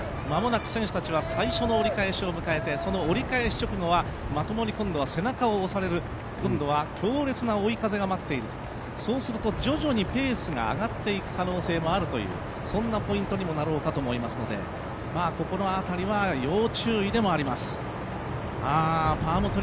間もなく選手たちは最初の折り返しを迎えてその折り返し直後は今度はまともに背中を押される今度は強烈な追い風が待っているそうするとペースが上がっていく可能性もあるというそんなポイントにもなろうかと思いますのでここの辺りは要注意でもあります。